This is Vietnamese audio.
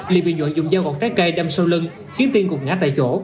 liên bình nhuận dùng dao gọt trái cây đâm sâu lưng khiến tiên cục ngã tại chỗ